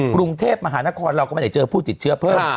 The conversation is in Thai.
กรุงเทพมหานครเราก็ไม่ได้เจอผู้ติดเชื้อเพิ่ม